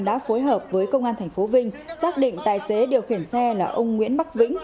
đã phối hợp với công an tp vinh xác định tài xế điều khiển xe là ông nguyễn bắc vĩnh